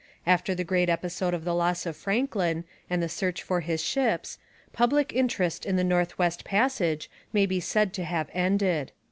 After the great episode of the loss of Franklin, and the search for his ships, public interest in the North West Passage may be said to have ended.